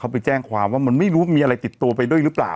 เขาไปแจ้งความว่ามันไม่รู้มีอะไรติดตัวไปด้วยหรือเปล่า